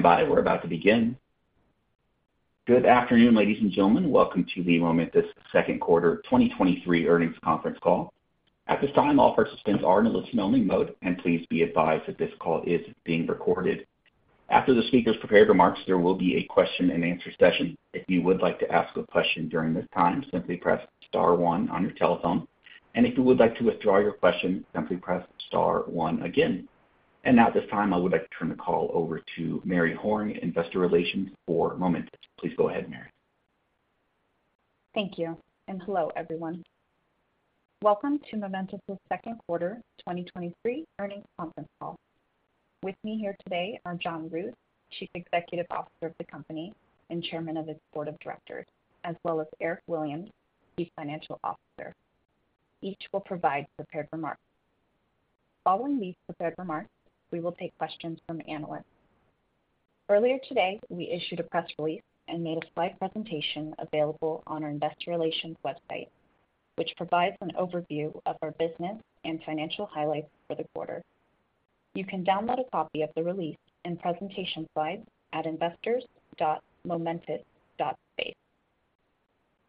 Stand by, we're about to begin. Good afternoon, ladies and gentlemen. Welcome to the Momentus second quarter 2023 earnings conference call. At this time, all participants are in a listen-only mode. Please be advised that this call is being recorded. After the speaker's prepared remarks, there will be a question-and-answer session. If you would like to ask a question during this time, simply press star one on your telephone. If you would like to withdraw your question, simply press star one again. Now, at this time, I would like to turn the call over to Mary Horn, Investor Relations for Momentus. Please go ahead, Mary. Hello, everyone. Welcome to Momentus's second quarter 2023 earnings conference call. With me here today are John Rood, Chief Executive Officer of the company and Chairman of its Board of Directors, as well as Eric Williams, Chief Financial Officer. Each will provide prepared remarks. Following these prepared remarks, we will take questions from analysts. Earlier today, we issued a press release and made a slide presentation available on our investor relations website, which provides an overview of our business and financial highlights for the quarter. You can download a copy of the release and presentation slides at investors.momentus.space.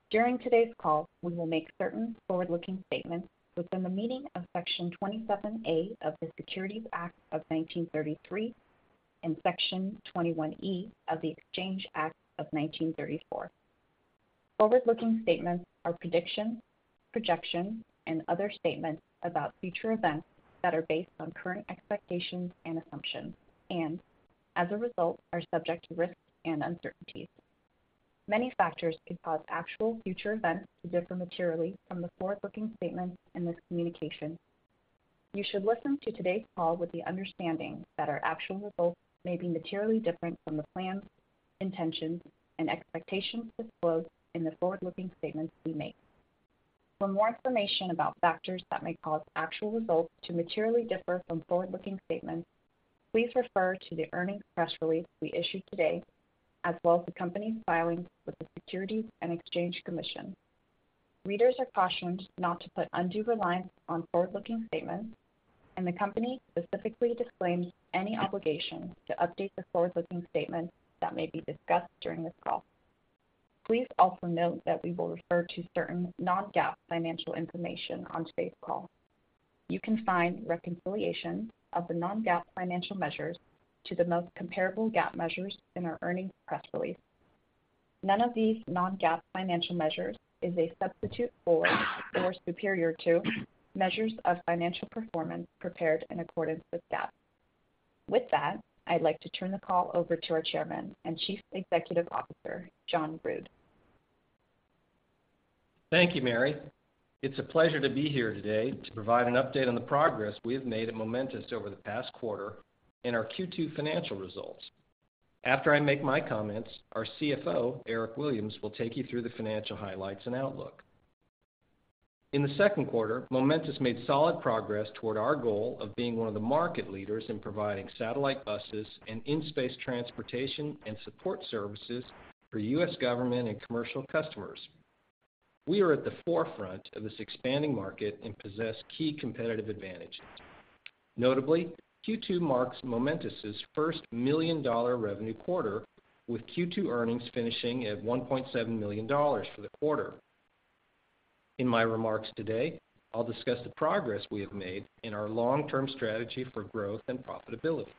During today's call, we will make certain forward-looking statements within the meaning of Section 27A of the Securities Act of 1933 and Section 21E of the Securities Exchange Act of 1934. Forward-looking statements are predictions, projections, and other statements about future events that are based on current expectations and assumptions, and as a result, are subject to risks and uncertainties. Many factors could cause actual future events to differ materially from the forward-looking statements in this communication. You should listen to today's call with the understanding that our actual results may be materially different from the plans, intentions, and expectations disclosed in the forward-looking statements we make. For more information about factors that may cause actual results to materially differ from forward-looking statements, please refer to the earnings press release we issued today, as well as the company's filings with the Securities and Exchange Commission. Readers are cautioned not to put undue reliance on forward-looking statements, and the company specifically disclaims any obligation to update the forward-looking statements that may be discussed during this call. Please also note that we will refer to certain non-GAAP financial information on today's call. You can find reconciliation of the non-GAAP financial measures to the most comparable GAAP measures in our earnings press release. None of these non-GAAP financial measures is a substitute for or superior to measures of financial performance prepared in accordance with GAAP. With that, I'd like to turn the call over to our Chairman and Chief Executive Officer, John Rood. Thank you, Mary. It's a pleasure to be here today to provide an update on the progress we have made at Momentus over the past quarter and our Q2 financial results. After I make my comments, our CFO, Eric Williams, will take you through the financial highlights and outlook. In the second quarter, Momentus made solid progress toward our goal of being one of the market leaders in providing satellite buses and in-space transportation and support services for U.S. government and commercial customers. We are at the forefront of this expanding market and possess key competitive advantages. Notably, Q2 marks Momentus's first $1 million revenue quarter, with Q2 earnings finishing at $1.7 million for the quarter. In my remarks today, I'll discuss the progress we have made in our long-term strategy for growth and profitability.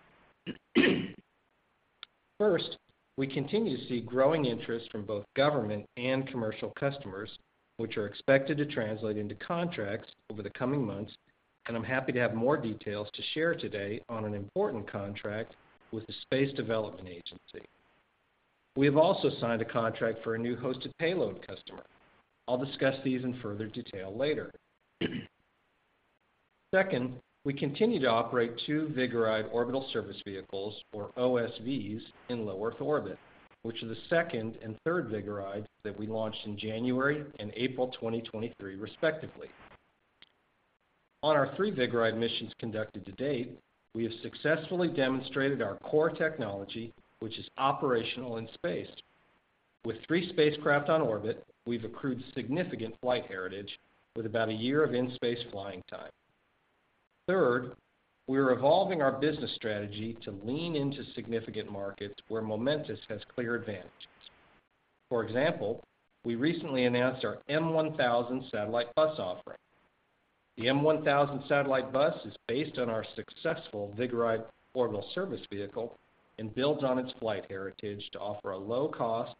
First, we continue to see growing interest from both government and commercial customers, which are expected to translate into contracts over the coming months. I'm happy to have more details to share today on an important contract with the Space Development Agency. We have also signed a contract for a new hosted payload customer. I'll discuss these in further detail later. Second, we continue to operate two Vigoride orbital service vehicles, or OSVs, in low Earth orbit, which are the second and third Vigorides that we launched in January and April 2023, respectively. On our three Vigoride missions conducted to date, we have successfully demonstrated our core technology, which is operational in space. With three spacecraft on orbit, we've accrued significant flight heritage with about a year of in-space flying time. Third, we are evolving our business strategy to lean into significant markets where Momentus has clear advantages. For example, we recently announced our M1000 satellite bus offering. The M1000 satellite bus is based on our successful Vigoride orbital service vehicle and builds on its flight heritage to offer a low-cost,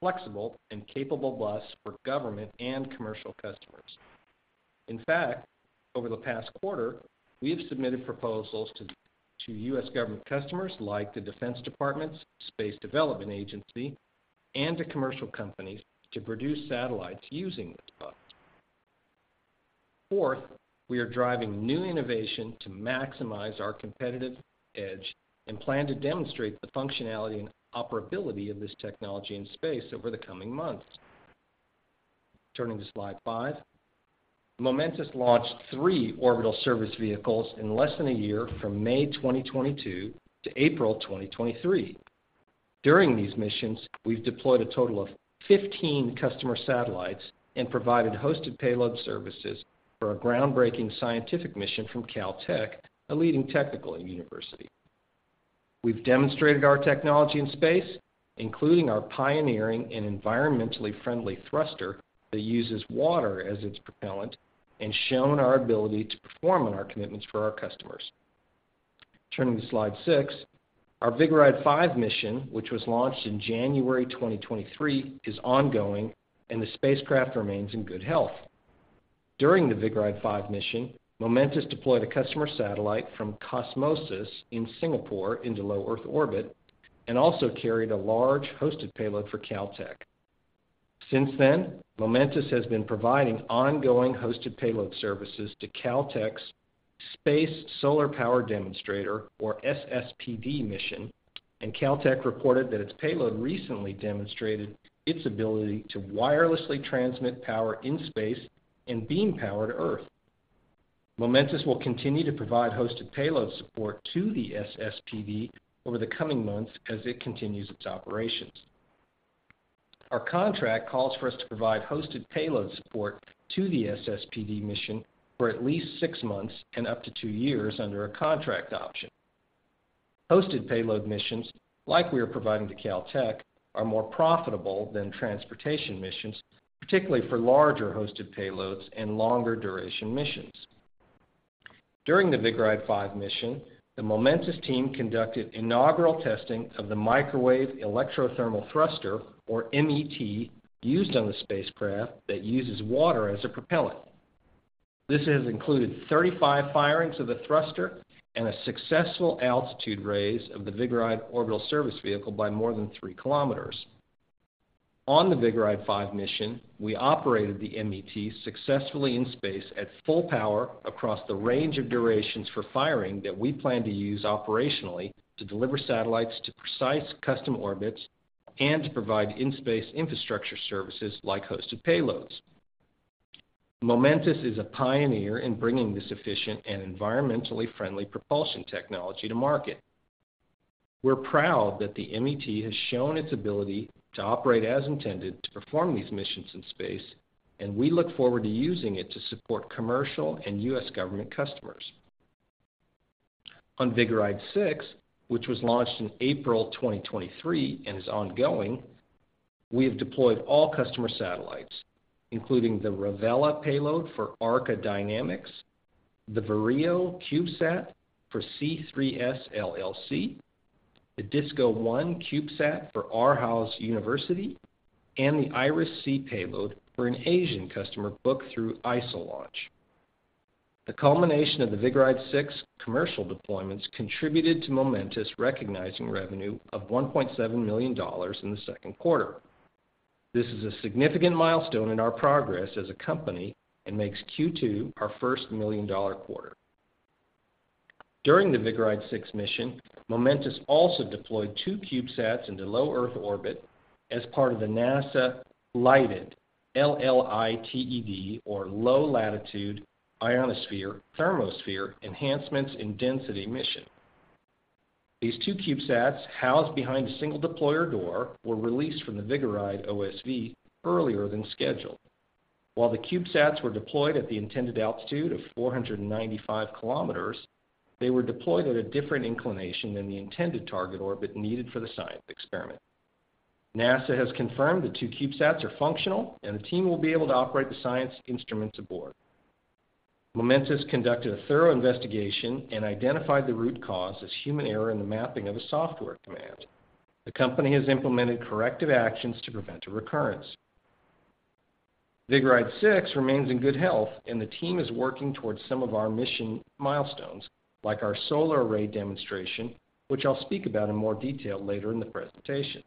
flexible, and capable bus for government and commercial customers. In fact, over the past quarter, we have submitted proposals to U.S. government customers like the Defense Department's Space Development Agency and to commercial companies to produce satellites using this bus. Fourth, we are driving new innovation to maximize our competitive edge and plan to demonstrate the functionality and operability of this technology in space over the coming months. Turning to slide five. Momentus launched three orbital service vehicles in less than a year, from May 2022 to April 2023. During these missions, we've deployed a total of 15 customer satellites and provided hosted payload services for a groundbreaking scientific mission from Caltech, a leading technical university. We've demonstrated our technology in space, including our pioneering and environmentally friendly thruster that uses water as its propellant, and shown our ability to perform on our commitments for our customers. Turning to Slide 6, our Vigoride-5 mission, which was launched in January 2023, is ongoing and the spacecraft remains in good health. During the Vigoride-5 mission, Momentus deployed a customer satellite from Qosmosys in Singapore into low Earth orbit and also carried a large hosted payload for Caltech. Since then, Momentus has been providing ongoing hosted payload services to Caltech's Space Solar Power Demonstrator, or SSPD, mission, and Caltech reported that its payload recently demonstrated its ability to wirelessly transmit power in space and beam power to Earth. Momentus will continue to provide hosted payload support to the SSPD over the coming months as it continues its operations. Our contract calls for us to provide hosted payload support to the SSPD mission for at least six months and up to two years under a contract option. Hosted payload missions, like we are providing to Caltech, are more profitable than transportation missions, particularly for larger hosted payloads and longer-duration missions. During the Vigoride-5 mission, the Momentus team conducted inaugural testing of the Microwave Electrothermal Thruster, or MET, used on the spacecraft that uses water as a propellant. This has included 35 firings of the thruster and a successful altitude raise of the Vigoride orbital service vehicle by more than 3 kilometers. On the Vigoride-5 mission, we operated the MET successfully in space at full power across the range of durations for firing that we plan to use operationally to deliver satellites to precise custom orbits and to provide in-space infrastructure services like hosted payloads. Momentus is a pioneer in bringing this efficient and environmentally friendly propulsion technology to market. We're proud that the MET has shown its ability to operate as intended to perform these missions in space, and we look forward to using it to support commercial and U.S. government customers. On Vigoride-6, which was launched in April 2023 and is ongoing, we have deployed all customer satellites, including the REVELA payload for Arca Dynamics, the VIREO CubeSat for C3S LLC, the DISCO-1 CubeSat for Aarhus University, and the IRIS-C payload for an Asian customer booked through ISILAUNCH. The culmination of the Vigoride-6 commercial deployments contributed to Momentus recognizing revenue of $1.7 million in the second quarter. This is a significant milestone in our progress as a company and makes Q2 our first million-dollar quarter. During the Vigoride-6 mission, Momentus also deployed two CubeSats into low Earth orbit as part of the NASA LLITED, L-L-I-T-E-D, or Low Latitude Ionosphere Thermosphere Enhancements in Density mission. These two CubeSats, housed behind a single deployer door, were released from the Vigoride OSV earlier than scheduled. While the CubeSats were deployed at the intended altitude of 495 kilometers, they were deployed at a different inclination than the intended target orbit needed for the science experiment. NASA has confirmed the two CubeSats are functional and the team will be able to operate the science instruments aboard. Momentus conducted a thorough investigation and identified the root cause as human error in the mapping of a software command. The company has implemented corrective actions to prevent a recurrence. Vigoride-6 remains in good health, and the team is working towards some of our mission milestones, like our solar array demonstration, which I'll speak about in more detail later in the presentation.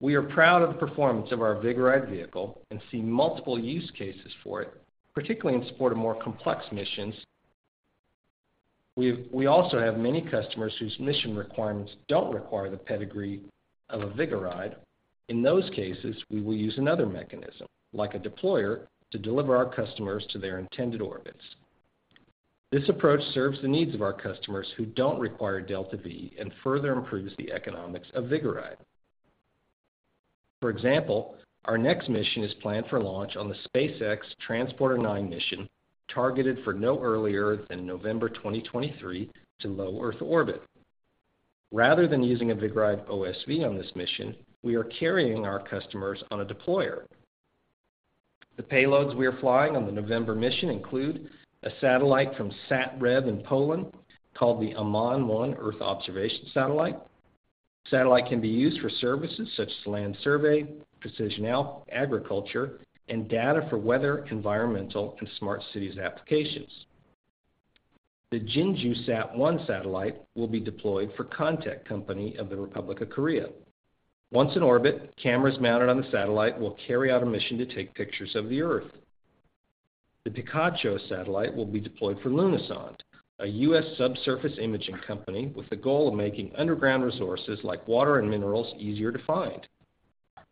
We are proud of the performance of our Vigoride vehicle and see multiple use cases for it, particularly in support of more complex missions. We also have many customers whose mission requirements don't require the pedigree of a Vigoride. In those cases, we will use another mechanism, like a deployer, to deliver our customers to their intended orbits. This approach serves the needs of our customers who don't require delta-v and further improves the economics of Vigoride. For example, our next mission is planned for launch on the SpaceX Transporter-9 mission, targeted for no earlier than November 2023 to low Earth orbit. Rather than using a Vigoride OSV on this mission, we are carrying our customers on a deployer. The payloads we are flying on the November mission include a satellite from SatRevolution in Poland, called the AMAN-1 Earth Observation satellite. The satellite can be used for services such as land survey, precision agriculture, and data for weather, environmental, and smart cities applications. The JINJUSat-1 satellite will be deployed for CONTEC Company of the Republic of Korea. Once in orbit, cameras mounted on the satellite will carry out a mission to take pictures of the Earth. The Picacho satellite will be deployed for Lunasonde, a U.S. subsurface imaging company with the goal of making underground resources like water and minerals easier to find.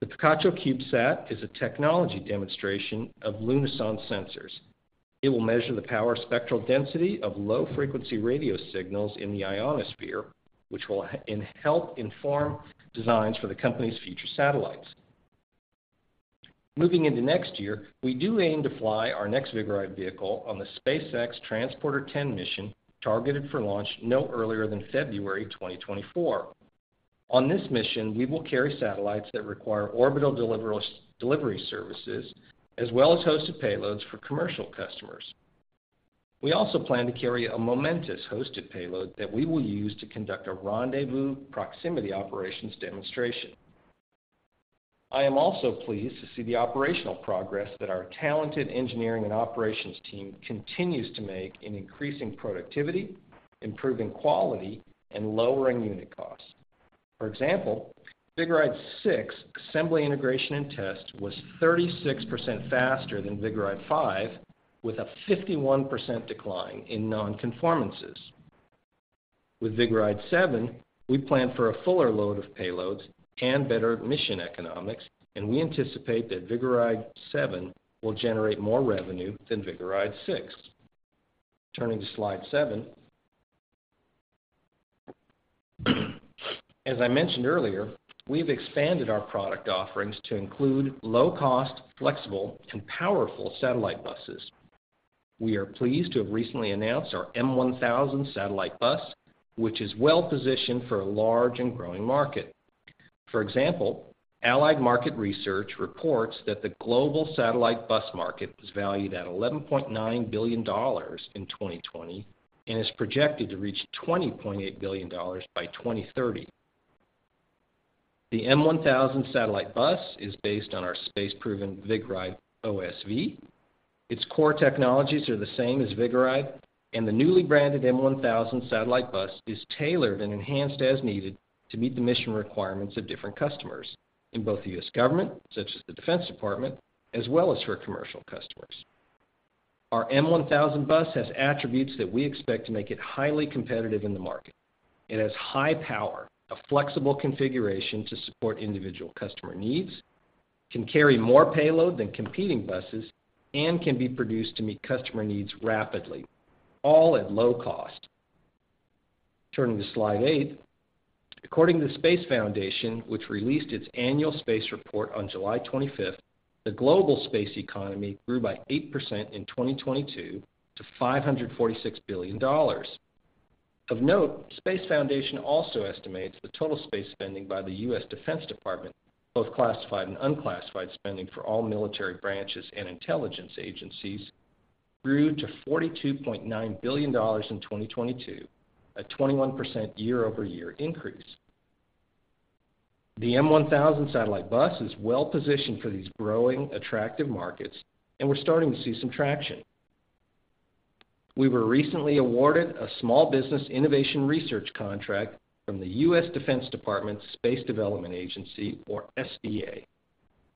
The Picacho CubeSat is a technology demonstration of Lunasonde sensors. It will measure the power spectral density of low-frequency radio signals in the ionosphere, which will help inform designs for the company's future satellites. Moving into next year, we do aim to fly our next Vigoride vehicle on the SpaceX Transporter-10 mission, targeted for launch no earlier than February 2024. On this mission, we will carry satellites that require orbital delivery services, as well as hosted payloads for commercial customers. We also plan to carry a Momentus-hosted payload that we will use to conduct a rendezvous proximity operations demonstration. I am also pleased to see the operational progress that our talented engineering and operations team continues to make in increasing productivity, improving quality, and lowering unit costs. For example, Vigoride-6 assembly, integration, and test was 36% faster than Vigoride-5, with a 51% decline in nonconformances. With Vigoride-7, we plan for a fuller load of payloads and better mission economics, and we anticipate that Vigoride-7 will generate more revenue than Vigoride-6. Turning to Slide 7. As I mentioned earlier, we've expanded our product offerings to include low-cost, flexible, and powerful satellite buses. We are pleased to have recently announced our M1000 satellite bus, which is well-positioned for a large and growing market. For example, Allied Market Research reports that the global satellite bus market was valued at $11.9 billion in 2020 and is projected to reach $20.8 billion by 2030. The M1000 satellite bus is based on our space-proven Vigoride OSV. Its core technologies are the same as Vigoride, and the newly branded M1000 satellite bus is tailored and enhanced as needed to meet the mission requirements of different customers in both the U.S. government, such as the Defense Department, as well as for commercial customers. Our M1000 bus has attributes that we expect to make it highly competitive in the market. It has high power, a flexible configuration to support individual customer needs, can carry more payload than competing buses, and can be produced to meet customer needs rapidly, all at low cost. Turning to Slide 8. According to the Space Foundation, which released its annual Space Report on July 25th, the global space economy grew by 8% in 2022 to $546 billion. Of note, Space Foundation also estimates the total space spending by the U.S. Defense Department, both classified and unclassified spending for all military branches and intelligence agencies, grew to $42.9 billion in 2022, a 21% year-over-year increase. The M1000 satellite bus is well positioned for these growing, attractive markets, and we're starting to see some traction. We were recently awarded a Small Business Innovation Research contract from the U.S. Defense Department's Space Development Agency, or SDA,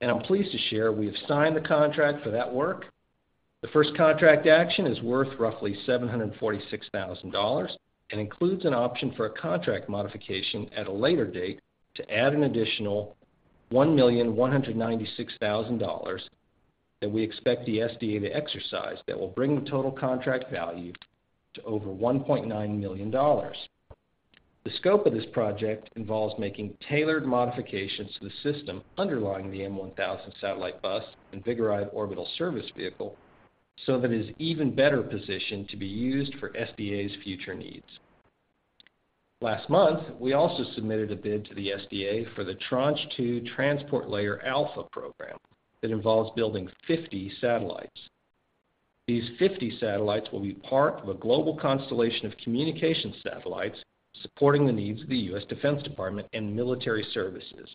and I'm pleased to share we have signed the contract for that work. The first contract action is worth roughly $746,000 and includes an option for a contract modification at a later date to add an additional $1,196,000 that we expect the SDA to exercise, that will bring the total contract value to over $1.9 million. The scope of this project involves making tailored modifications to the system underlying the M1000 satellite bus and Vigoride orbital service vehicle, so that it is even better positioned to be used for SDA's future needs. Last month, we also submitted a bid to the SDA for the Tranche 2 Transport Layer Alpha program that involves building 50 satellites. These 50 satellites will be part of a global constellation of communications satellites supporting the needs of the U.S. Defense Department and military services.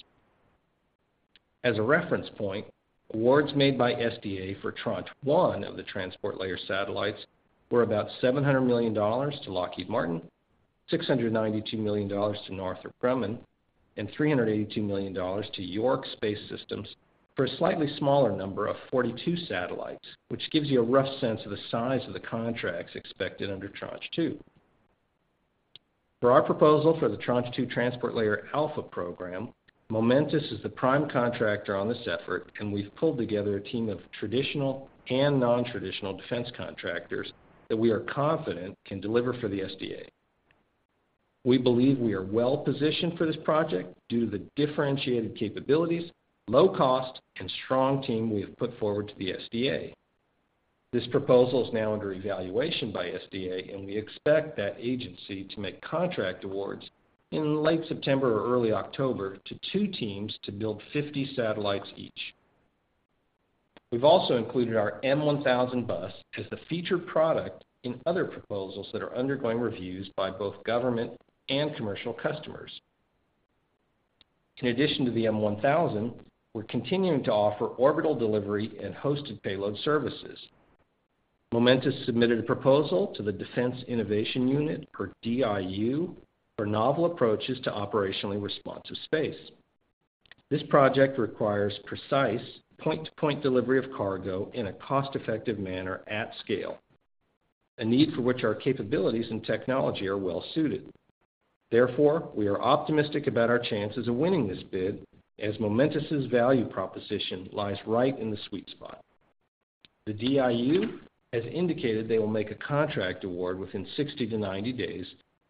As a reference point, awards made by SDA for Tranche 1 of the transport layer satellites were about $700 million to Lockheed Martin, $692 million to Northrop Grumman, and $382 million to York Space Systems for a slightly smaller number of 42 satellites, which gives you a rough sense of the size of the contracts expected under Tranche 2. For our proposal for the Tranche 2 Transport Layer Alpha program, Momentus is the prime contractor on this effort, and we've pulled together a team of traditional and nontraditional defense contractors that we are confident can deliver for the SDA. We believe we are well positioned for this project due to the differentiated capabilities, low cost, and strong team we have put forward to the SDA. This proposal is now under evaluation by SDA, and we expect that agency to make contract awards in late September or early October to two teams to build 50 satellites each. We've also included our M1000 bus as the featured product in other proposals that are undergoing reviews by both government and commercial customers. In addition to the M1000, we're continuing to offer orbital delivery and hosted payload services. Momentus submitted a proposal to the Defense Innovation Unit, or DIU, for novel approaches to operationally responsive space. This project requires precise point-to-point delivery of cargo in a cost-effective manner at scale... a need for which our capabilities and technology are well-suited. Therefore, we are optimistic about our chances of winning this bid, as Momentus' value proposition lies right in the sweet spot. The DIU has indicated they will make a contract award within 60-90 days.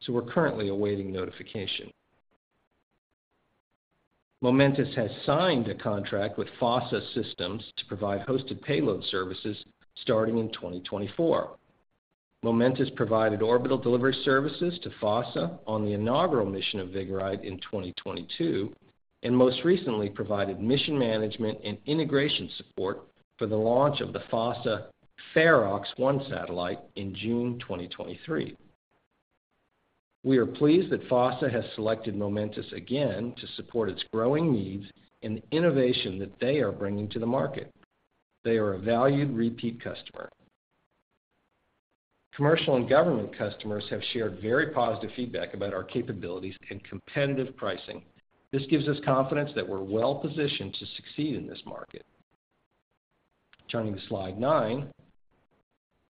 We're currently awaiting notification. Momentus has signed a contract with FOSSA Systems to provide hosted payload services starting in 2024. Momentus provided orbital delivery services to FOSSA on the inaugural mission of Vigoride in 2022, and most recently provided mission management and integration support for the launch of the FOSSASat-FEROX satellite in June 2023. We are pleased that FOSSA has selected Momentus again to support its growing needs and the innovation that they are bringing to the market. They are a valued repeat customer. Commercial and government customers have shared very positive feedback about our capabilities and competitive pricing. This gives us confidence that we're well-positioned to succeed in this market. Turning to Slide 9,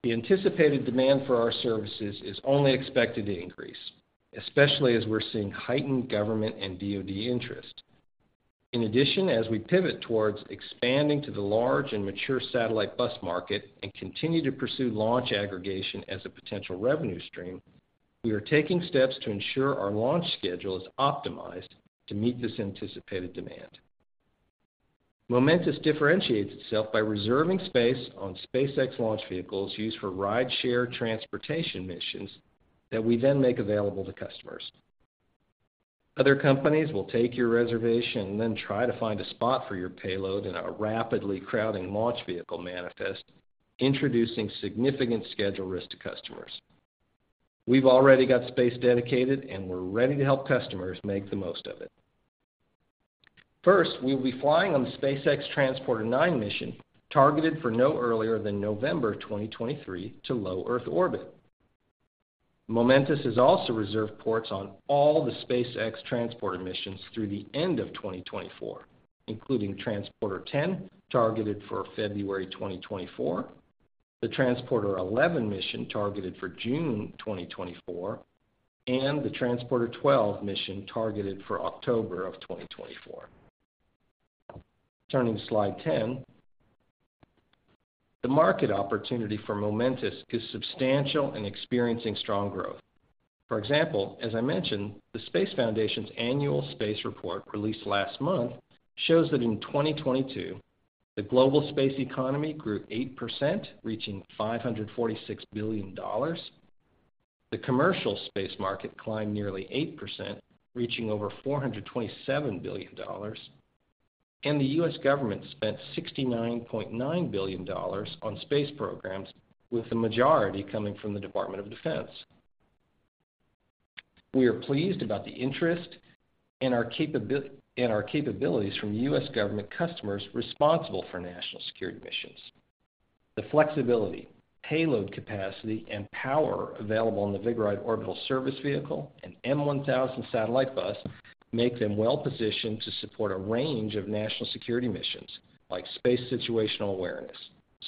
the anticipated demand for our services is only expected to increase, especially as we're seeing heightened government and DOD interest. In addition, as we pivot towards expanding to the large and mature satellite bus market and continue to pursue launch aggregation as a potential revenue stream, we are taking steps to ensure our launch schedule is optimized to meet this anticipated demand. Momentus differentiates itself by reserving space on SpaceX launch vehicles used for rideshare transportation missions that we then make available to customers. Other companies will take your reservation and then try to find a spot for your payload in a rapidly crowding launch vehicle manifest, introducing significant schedule risk to customers. We've already got space dedicated, and we're ready to help customers make the most of it. First, we will be flying on the SpaceX Transporter-9 mission, targeted for no earlier than November 2023 to low Earth orbit. Momentus has also reserved ports on all the SpaceX Transporter missions through the end of 2024, including Transporter-10, targeted for February 2024, the Transporter-11 mission, targeted for June 2024, and the Transporter-12 mission, targeted for October of 2024. Turning to Slide 10, the market opportunity for Momentus is substantial and experiencing strong growth. For example, as I mentioned, the Space Foundation's annual Space Report, released last month, shows that in 2022, the global space economy grew 8%, reaching $546 billion. The commercial space market climbed nearly 8%, reaching over $427 billion. The U.S. government spent $69.9 billion on space programs, with the majority coming from the Department of Defense. We are pleased about the interest in our capabilities from U.S. government customers responsible for national security missions. The flexibility, payload capacity, and power available on the Vigoride orbital service vehicle and M1000 satellite bus make them well-positioned to support a range of national security missions, like space situational awareness,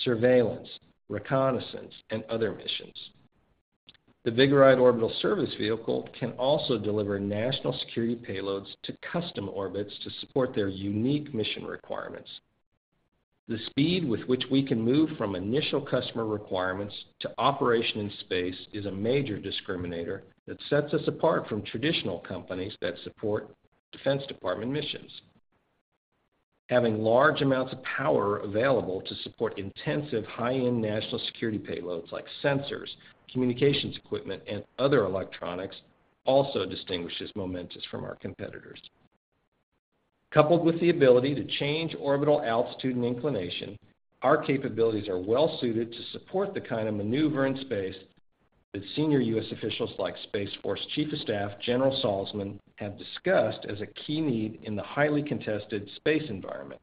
surveillance, reconnaissance, and other missions. The Vigoride orbital service vehicle can also deliver national security payloads to custom orbits to support their unique mission requirements. The speed with which we can move from initial customer requirements to operation in space is a major discriminator that sets us apart from traditional companies that support Defense Department missions. Having large amounts of power available to support intensive, high-end national security payloads like sensors, communications equipment, and other electronics also distinguishes Momentus from our competitors. Coupled with the ability to change orbital altitude and inclination, our capabilities are well-suited to support the kind of maneuver in space that senior U.S. officials like Space Force Chief of Staff, General Saltzman, have discussed as a key need in the highly contested space environment.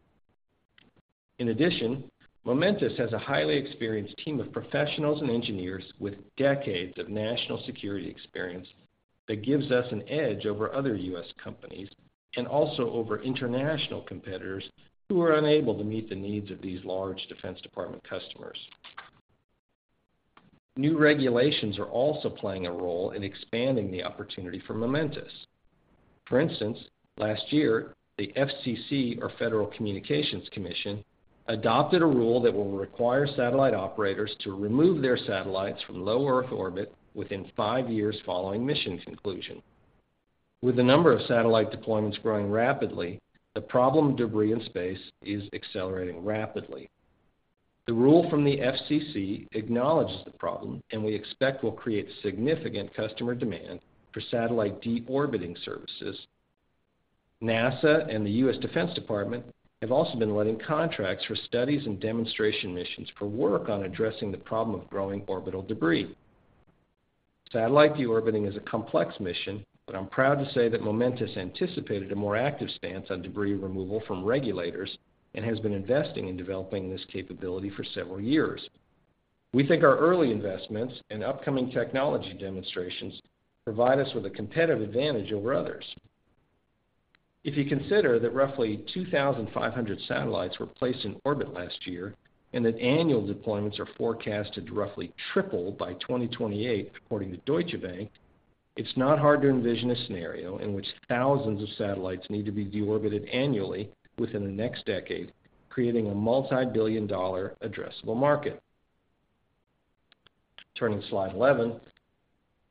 In addition, Momentus has a highly experienced team of professionals and engineers with decades of national security experience that gives us an edge over other U.S. companies and also over international competitors who are unable to meet the needs of these large Defense Department customers. New regulations are also playing a role in expanding the opportunity for Momentus. For instance, last year, the FCC, or Federal Communications Commission, adopted a rule that will require satellite operators to remove their satellites from low Earth orbit within five years following mission conclusion. With the number of satellite deployments growing rapidly, the problem of debris in space is accelerating rapidly. The rule from the FCC acknowledges the problem, and we expect will create significant customer demand for satellite deorbiting services. NASA and the U.S. Defense Department have also been letting contracts for studies and demonstration missions for work on addressing the problem of growing orbital debris. Satellite deorbiting is a complex mission, but I'm proud to say that Momentus anticipated a more active stance on debris removal from regulators and has been investing in developing this capability for several years. We think our early investments and upcoming technology demonstrations provide us with a competitive advantage over others. If you consider that roughly 2,500 satellites were placed in orbit last year, that annual deployments are forecasted to roughly triple by 2028, according to Deutsche Bank, it's not hard to envision a scenario in which thousands of satellites need to be deorbited annually within the next decade, creating a multibillion-dollar addressable market. Turning to slide 11.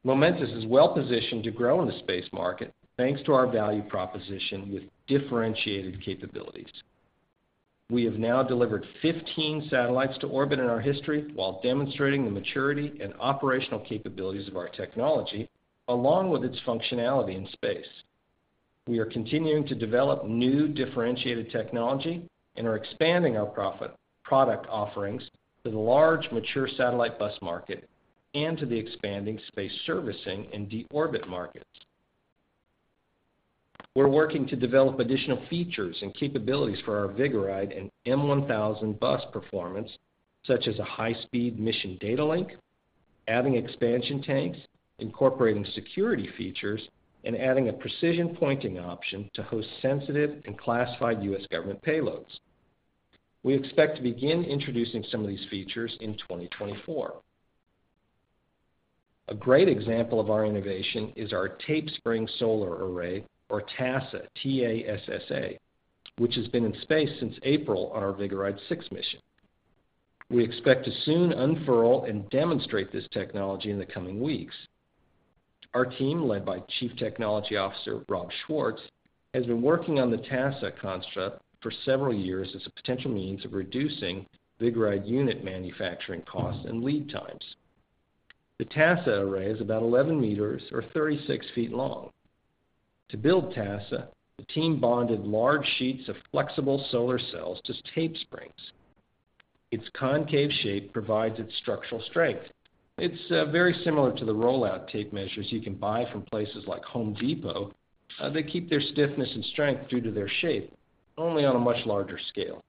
Momentus is well-positioned to grow in the space market, thanks to our value proposition with differentiated capabilities. We have now delivered 15 satellites to orbit in our history, while demonstrating the maturity and operational capabilities of our technology, along with its functionality in space. We are continuing to develop new differentiated technology and are expanding our product offerings to the large, mature satellite bus market and to the expanding space servicing and deorbit markets. We're working to develop additional features and capabilities for our Vigoride and M1000 bus performance, such as a high-speed mission data link, adding expansion tanks, incorporating security features, and adding a precision pointing option to host sensitive and classified U.S. government payloads. We expect to begin introducing some of these features in 2024. A great example of our innovation is our Tape Spring Solar Array, or TASSA, T-A-S-S-A, which has been in space since April on our Vigoride-6 mission. We expect to soon unfurl and demonstrate this technology in the coming weeks. Our team, led by Chief Technology Officer Rob Schwartz, has been working on the TASSA construct for several years as a potential means of reducing Vigoride unit manufacturing costs and lead times. The TASSA array is about 11 meters or 36 feet long. To build TASSA, the team bonded large sheets of flexible solar cells to tape springs. Its concave shape provides its structural strength. It's very similar to the rollout tape measures you can buy from places like Home Depot. They keep their stiffness and strength due to their shape, only on a much larger scale.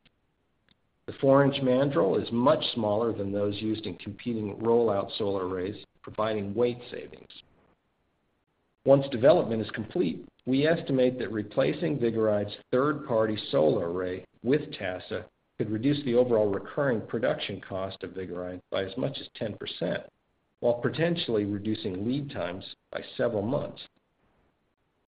The 4-inch mandrel is much smaller than those used in competing rollout solar arrays, providing weight savings. Once development is complete, we estimate that replacing Vigoride's third-party solar array with TASSA could reduce the overall recurring production cost of Vigoride by as much as 10%, while potentially reducing lead times by several months.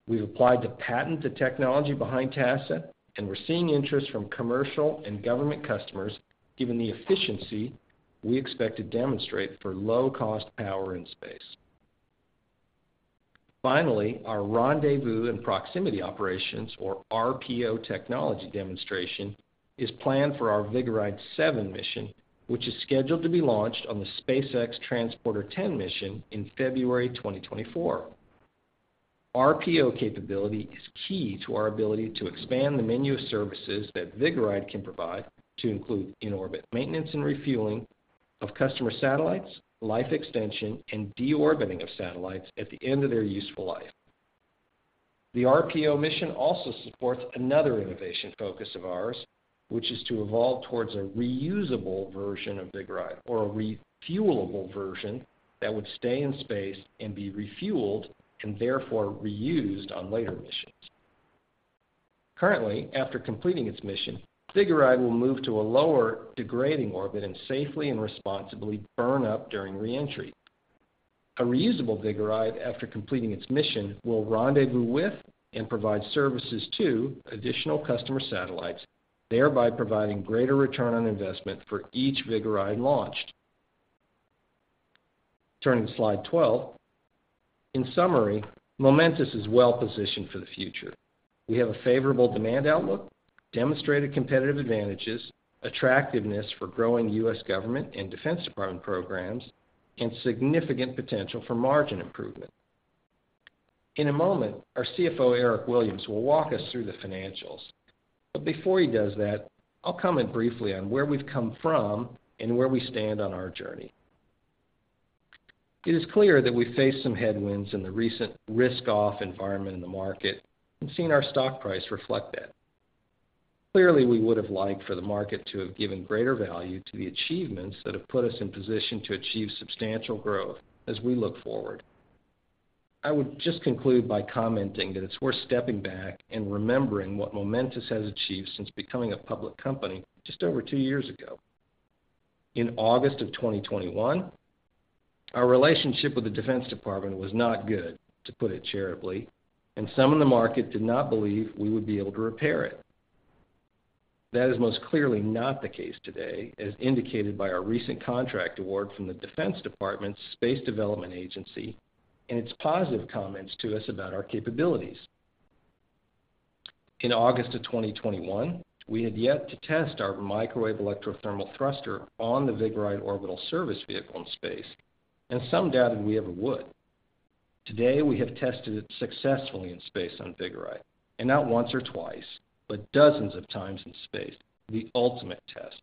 We've applied the patent to technology behind TASSA, we're seeing interest from commercial and government customers, given the efficiency we expect to demonstrate for low-cost power in space. Our Rendezvous and Proximity Operations, or RPO technology demonstration, is planned for our Vigoride-7 mission, which is scheduled to be launched on the SpaceX Transporter-10 mission in February 2024. RPO capability is key to our ability to expand the menu of services that Vigoride can provide to include in-orbit maintenance and refueling of customer satellites, life extension, and deorbiting of satellites at the end of their useful life. The RPO mission also supports another innovation focus of ours, which is to evolve towards a reusable version of Vigoride or a refuelable version that would stay in space and be refueled and therefore reused on later missions. Currently, after completing its mission, Vigoride will move to a lower degrading orbit and safely and responsibly burn up during reentry. A reusable Vigoride, after completing its mission, will rendezvous with and provide services to additional customer satellites, thereby providing greater return on investment for each Vigoride launched. Turning to slide 12. In summary, Momentus is well positioned for the future. We have a favorable demand outlook, demonstrated competitive advantages, attractiveness for growing U.S. government and Defense Department programs, and significant potential for margin improvement. In a moment, our CFO, Eric Williams, will walk us through the financials. Before he does that, I'll comment briefly on where we've come from and where we stand on our journey. It is clear that we face some headwinds in the recent risk-off environment in the market and seen our stock price reflect that. Clearly, we would have liked for the market to have given greater value to the achievements that have put us in position to achieve substantial growth as we look forward. I would just conclude by commenting that it's worth stepping back and remembering what Momentus has achieved since becoming a public company just over two years ago. In August of 2021, our relationship with the Defense Department was not good, to put it charitably, and some in the market did not believe we would be able to repair it. That is most clearly not the case today, as indicated by our recent contract award from the Defense Department's Space Development Agency and its positive comments to us about our capabilities. In August of 2021, we had yet to test our Microwave Electrothermal Thruster on the Vigoride orbital service vehicle in space, and some doubted we ever would. Today, we have tested it successfully in space on Vigoride, and not once or twice, but dozens of times in space, the ultimate test.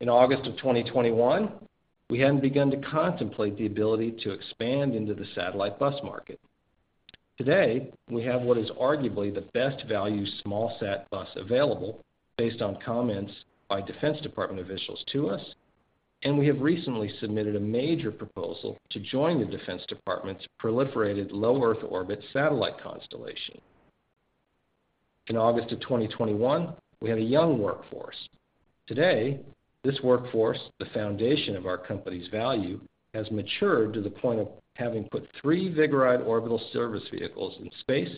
In August of 2021, we hadn't begun to contemplate the ability to expand into the satellite bus market. Today, we have what is arguably the best value smallsat bus available, based on comments by Defense Department officials to us. We have recently submitted a major proposal to join the Defense Department's proliferated low Earth orbit satellite constellation. In August of 2021, we had a young workforce. Today, this workforce, the foundation of our company's value, has matured to the point of having put 3 Vigoride orbital service vehicles in space,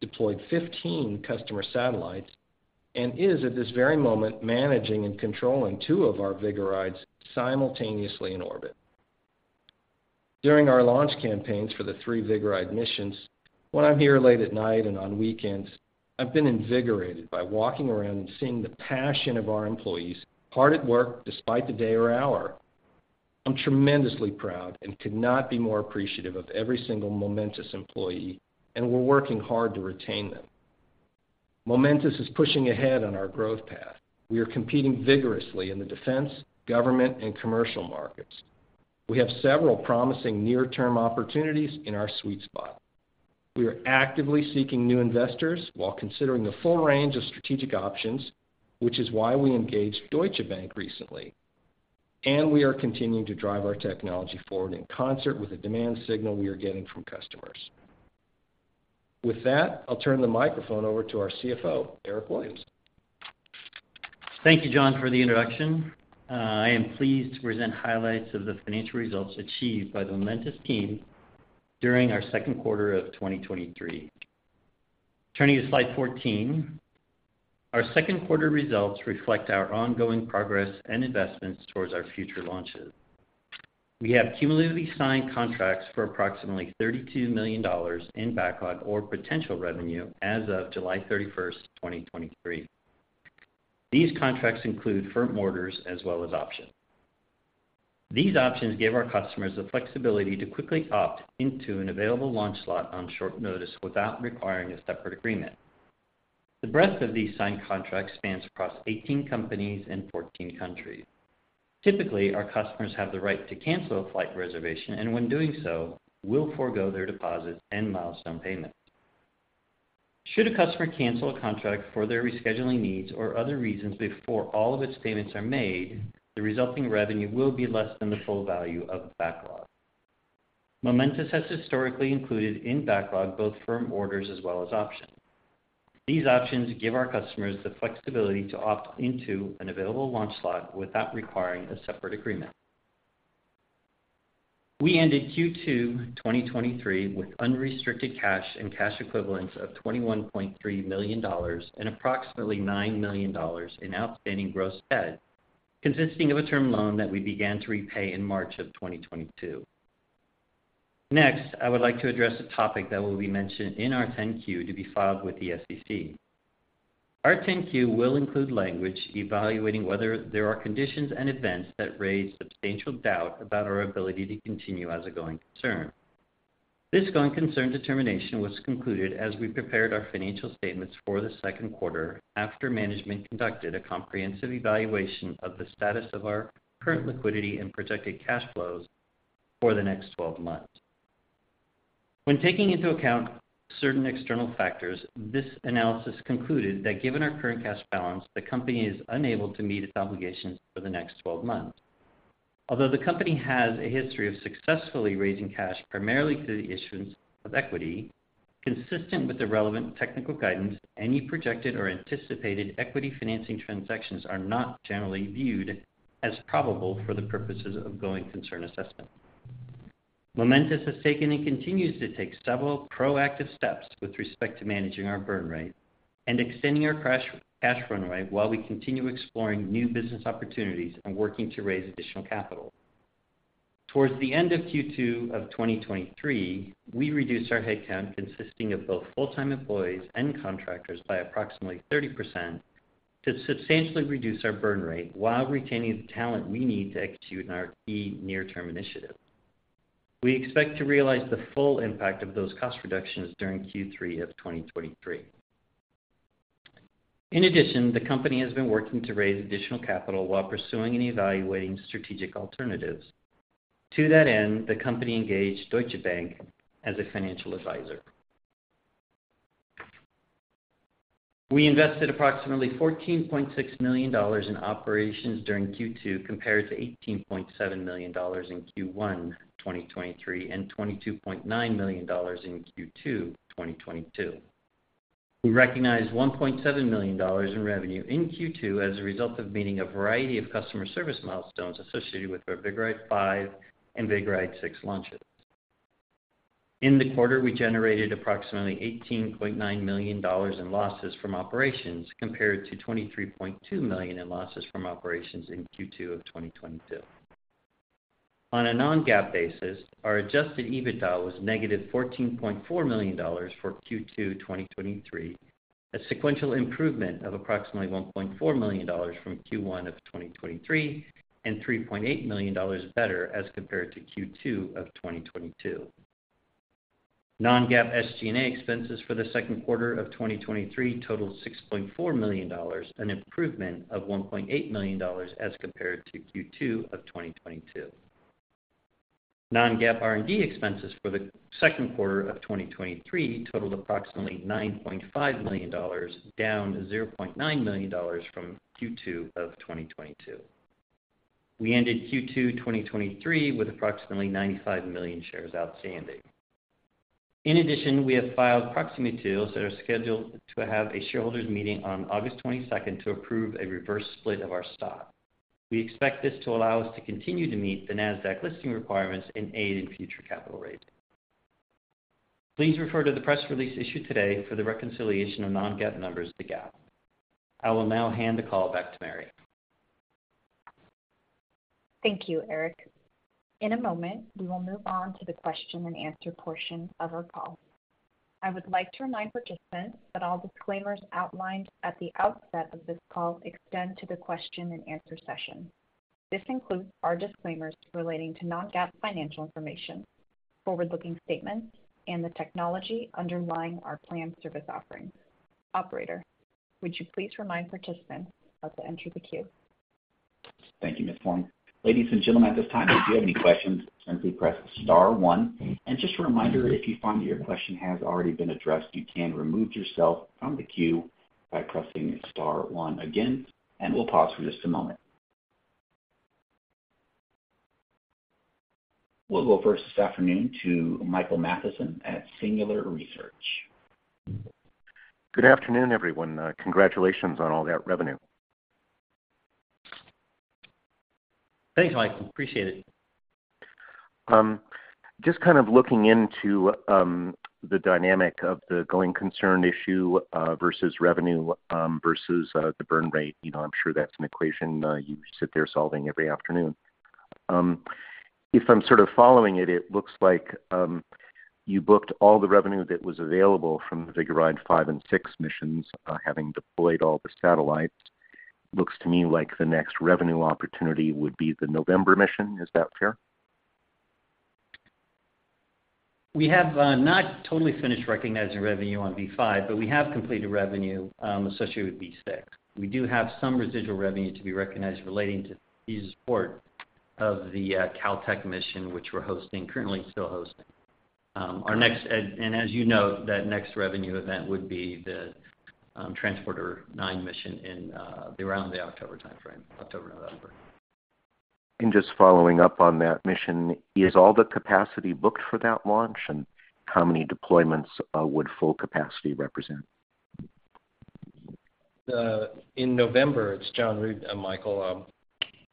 deployed 15 customer satellites, and is, at this very moment, managing and controlling 2 of our Vigorides simultaneously in orbit. During our launch campaigns for the three Vigoride missions, when I'm here late at night and on weekends, I've been invigorated by walking around and seeing the passion of our employees hard at work despite the day or hour. I'm tremendously proud and could not be more appreciative of every single Momentus employee, and we're working hard to retain them. Momentus is pushing ahead on our growth path. We are competing vigorously in the defense, government, and commercial markets. We have several promising near-term opportunities in our sweet spot. We are actively seeking new investors while considering the full range of strategic options, which is why we engaged Deutsche Bank recently, and we are continuing to drive our technology forward in concert with the demand signal we are getting from customers. With that, I'll turn the microphone over to our CFO, Eric Williams. Thank you, John, for the introduction. I am pleased to present highlights of the financial results achieved by the Momentus team during our second quarter of 2023. Turning to Slide 14, our second quarter results reflect our ongoing progress and investments towards our future launches. We have cumulatively signed contracts for approximately $32 million in backlog or potential revenue as of July 31st, 2023. These contracts include firm orders as well as options. These options give our customers the flexibility to quickly opt into an available launch slot on short notice without requiring a separate agreement. The breadth of these signed contracts spans across 18 companies and 14 countries. Typically, our customers have the right to cancel a flight reservation, and when doing so, will forgo their deposits and milestone payments. Should a customer cancel a contract for their rescheduling needs or other reasons before all of its payments are made, the resulting revenue will be less than the full value of the backlog. Momentus has historically included in backlog, both firm orders as well as options. These options give our customers the flexibility to opt into an available launch slot without requiring a separate agreement. We ended Q2 2023 with unrestricted cash and cash equivalents of $21.3 million and approximately $9 million in outstanding gross debt, consisting of a term loan that we began to repay in March 2022. Next, I would like to address a topic that will be mentioned in our Form 10-Q to be filed with the SEC. Our Form 10-Q will include language evaluating whether there are conditions and events that raise substantial doubt about our ability to continue as a going concern. This going concern determination was concluded as we prepared our financial statements for the second quarter after management conducted a comprehensive evaluation of the status of our current liquidity and projected cash flows for the next 12 months. When taking into account certain external factors, this analysis concluded that given our current cash balance, the company is unable to meet its obligations for the next 12 months. Although the company has a history of successfully raising cash, primarily through the issuance of equity, consistent with the relevant technical guidance, any projected or anticipated equity financing transactions are not generally viewed as probable for the purposes of going concern assessment. Momentus has taken and continues to take several proactive steps with respect to managing our burn rate and extending our cash runway while we continue exploring new business opportunities and working to raise additional capital. Towards the end of Q2 of 2023, we reduced our headcount, consisting of both full-time employees and contractors, by approximately 30% to substantially reduce our burn rate while retaining the talent we need to execute on our key near-term initiatives. We expect to realize the full impact of those cost reductions during Q3 of 2023. In addition, the company has been working to raise additional capital while pursuing and evaluating strategic alternatives. To that end, the company engaged Deutsche Bank as a financial advisor. We invested approximately $14.6 million in operations during Q2, compared to $18.7 million in Q1 2023 and $22.9 million in Q2 2022. We recognized $1.7 million in revenue in Q2 as a result of meeting a variety of customer service milestones associated with our Vigoride-5 and Vigoride-6 launches. In the quarter, we generated approximately $18.9 million in losses from operations, compared to $23.2 million in losses from operations in Q2 of 2022. On a non-GAAP basis, our adjusted EBITDA was negative $14.4 million for Q2 2023, a sequential improvement of approximately $1.4 million from Q1 of 2023, and $3.8 million better as compared to Q2 of 2022. Non-GAAP SG&A expenses for the second quarter of 2023 totaled $6.4 million, an improvement of $1.8 million as compared to Q2 of 2022. Non-GAAP R&D expenses for the second quarter of 2023 totaled approximately $9.5 million, down $0.9 million from Q2 of 2022. We ended Q2 2023 with approximately 95 million shares outstanding. In addition, we have filed proxy materials that are scheduled to have a shareholders meeting on August 22nd to approve a reverse split of our stock. We expect this to allow us to continue to meet the Nasdaq listing requirements and aid in future capital raising. Please refer to the press release issued today for the reconciliation of non-GAAP numbers to GAAP. I will now hand the call back to Mary. Thank you, Eric. In a moment, we will move on to the question-and-answer portion of our call. I would like to remind participants that all disclaimers outlined at the outset of this call extend to the question-and-answer session. This includes our disclaimers relating to non-GAAP financial information, forward-looking statements, and the technology underlying our planned service offerings. Operator, would you please remind participants how to enter the queue? Thank you, Mary Horn. Ladies and gentlemen, at this time, if you have any questions, simply press star 1. Just a reminder, if you find that your question has already been addressed, you can remove yourself from the queue by pressing star 1 again, and we'll pause for just a moment. We'll go first this afternoon to Michael Matson at Singular Research. Good afternoon, everyone. Congratulations on all that revenue. Thanks, Mike. Appreciate it. Just kind of looking into the dynamic of the going concern issue, versus revenue, versus the burn rate. You know, I'm sure that's an equation, you sit there solving every afternoon. If I'm sort of following it, it looks like you booked all the revenue that was available from the Vigoride-5 and Vigoride-6 missions, having deployed all the satellites. Looks to me like the next revenue opportunity would be the November mission. Is that fair? We have not totally finished recognizing revenue on V5, but we have completed revenue associated with V6. We do have some residual revenue to be recognized relating to the support of the Caltech mission, which we're hosting, currently still hosting. Our next -- as you know, that next revenue event would be the Transporter-9 mission in around the October timeframe, October, November. Just following up on that mission, is all the capacity booked for that launch, and how many deployments would full capacity represent? In November, it's John Rood, Michael.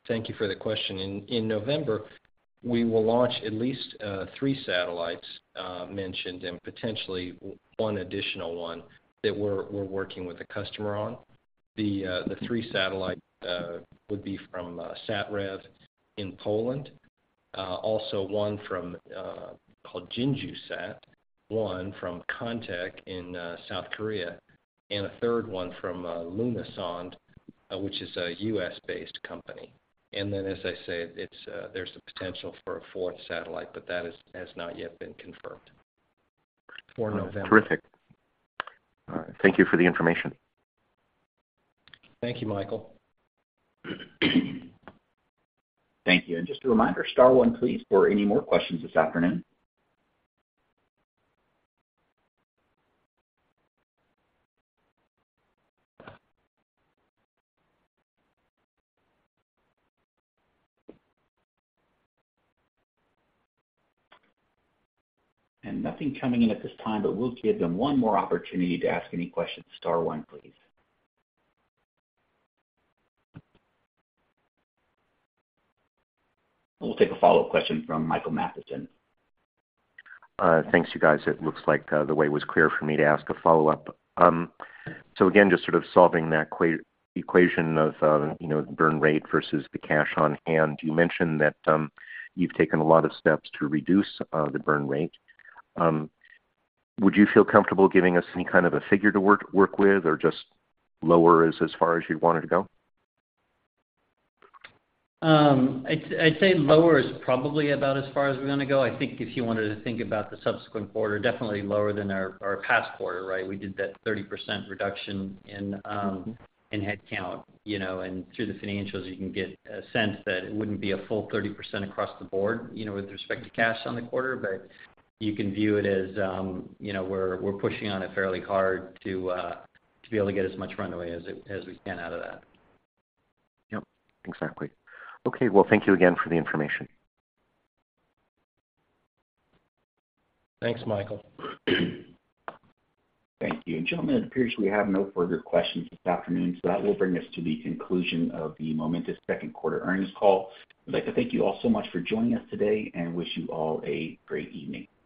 Thank you for the question. In November, we will launch at least 3 satellites mentioned, and potentially 1 additional one that we're working with a customer on. The 3 satellite would be from SatRevolution in Poland, also 1 from called JINJUSat-1, 1 from CONTEC in South Korea, and a third one from Lunasonde, which is a U.S.-based company. As I said, there's the potential for a 4th satellite, but that has not yet been confirmed for November. Terrific. All right. Thank you for the information. Thank you, Michael. Thank you. Just a reminder, star one, please, for any more questions this afternoon. Nothing coming in at this time, but we'll give them one more opportunity to ask any questions. Star one, please. We'll take a follow-up question from Michael Matson. Thanks, you guys. It looks like the way was clear for me to ask a follow-up. Again, just sort of solving that equation of, you know, burn rate versus the cash on hand. You mentioned that you've taken a lot of steps to reduce the burn rate. Would you feel comfortable giving us any kind of a figure to work with, or just lower is as far as you'd want it to go? I'd say lower is probably about as far as we're gonna go. I think if you wanted to think about the subsequent quarter, definitely lower than our, our past quarter, right? We did that 30% reduction in headcount, you know, and through the financials, you can get a sense that it wouldn't be a full 30% across the board, you know, with respect to cash on the quarter. You can view it as, you know, we're, we're pushing on it fairly hard to to be able to get as much runway as we, as we can out of that. Yep, exactly. Okay, well, thank you again for the information. Thanks, Michael. Thank you. Gentlemen, it appears we have no further questions this afternoon, that will bring us to the conclusion of the Momentus second quarter earnings call. I'd like to thank you all so much for joining us today and wish you all a great evening. Goodbye.